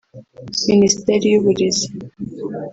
Minisiteri y’Uburezi